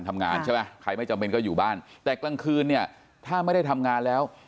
ทำงานใช่ไหมใครไม่จำเป็นก็อยู่บ้านแต่กลางคืนเนี่ยถ้าไม่ได้ทำงานแล้ว